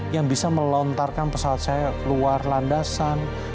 yang bisa melontarkan pesawat saya keluar landasan